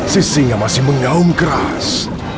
sisinga masih mengaum keras